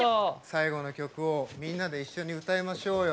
最後の曲をみんなで一緒に歌いましょうよ。